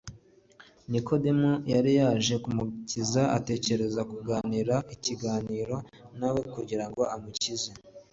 Nikodemo yari yaje ku Mukiza atekereza kugirana ikiganiro na we, ariko Yesu amushyirira ku mugaragaro urufatiro rw’amahame y’ukuri